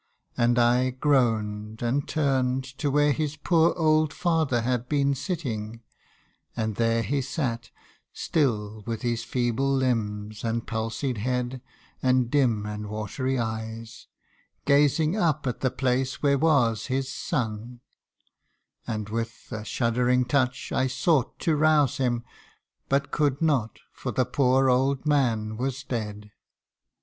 And I groaned, and turned To where his poor old father had been sitting ; And there he sate, still with his feeble limbs 206 THE FUTURE. And palsied head, and dim and watery eyes, Gazing up at the place where was his son ; And with a shuddering touch I sought to rouse him, But could not, for the poor old man was dead.